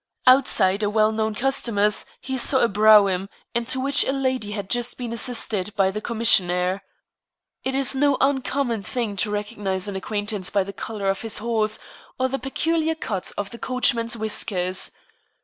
Outside a well known costumer's he saw a brougham, into which a lady had just been assisted by the commissionaire. It is no uncommon thing to recognize an acquaintance by the color of his horse, or the peculiar cut of the coachman's whiskers.